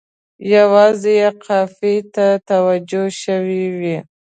یوازې قافیې ته یې توجه شوې وي.